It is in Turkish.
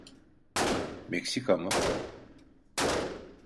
Meksika mı?